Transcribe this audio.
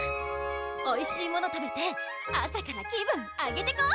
おいしいもの食べて朝から気分アゲてこ！